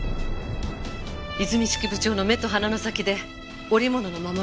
和泉式部町の目と鼻の先で織り物の守り神。